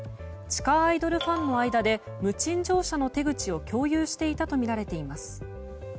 地下アイドルのファンの間で無賃乗車の手口を強要していたとみられます。